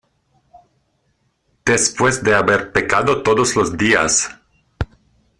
después de haber pecado todos los días.